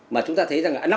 mà chúng ta thấy rằng là